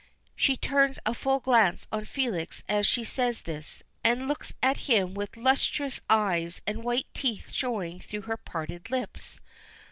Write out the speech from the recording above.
She turns a full glance on Felix as she says this, and looks at him with lustrous eyes and white teeth showing through her parted lips.